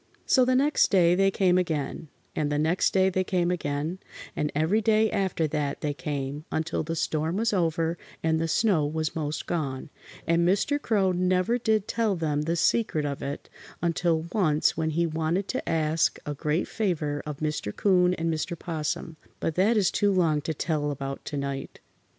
So the next day they came again, and the next day they came again, and every day after that they came, until the storm was over and the snow was 'most gone, and Mr. Crow never did tell them the secret of it until once when he wanted to ask a great favor of Mr. 'Coon and Mr. 'Possum, but that is too long to tell about to night.